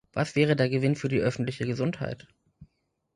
Was wäre der Gewinn für die öffentliche Gesundheit?